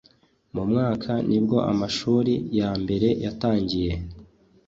mu mwaka ni bwo amashuri ya mbere yatangiye: